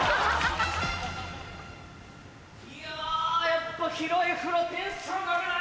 ・いややっぱ広い風呂テンション上がるな！